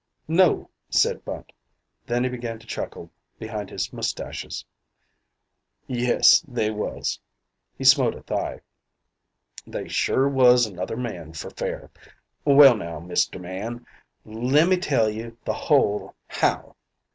"No," said Bunt. Then he began to chuckle behind his mustaches. "Yes, they was." He smote a thigh. "They sure was another man for fair. Well, now, Mr. Man, lemmee tell you the whole 'how.'